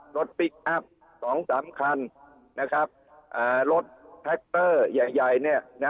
รถปลิ๊กอัป๒๓คันรถแพ็คเตอร์ใหญ่เนี่ย